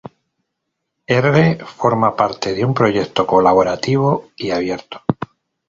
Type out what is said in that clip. R forma parte de un proyecto colaborativo y abierto.